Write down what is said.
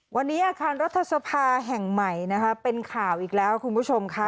วันนี้อาคารรัฐสภาแห่งใหม่นะคะเป็นข่าวอีกแล้วคุณผู้ชมค่ะ